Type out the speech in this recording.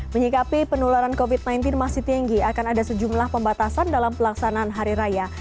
menyikapi penularan covid sembilan belas masih tinggi akan ada sejumlah pembatasan dalam pelaksanaan hari raya